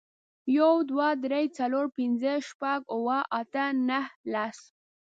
یو، دوه، درې، څلور، پنځه، شپږ، اوه، اته، نهه، لس.